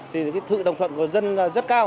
thì thự đồng thuận của dân rất cao